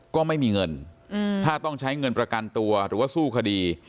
ก็ไม่มีเงินถ้าต้องใช้เงินประกันตัวหรือว่าสู้คดี